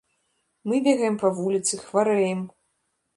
Мы бегаем на вуліцы, хварэем.